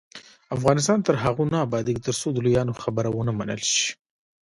افغانستان تر هغو نه ابادیږي، ترڅو د لویانو خبره ومنل شي.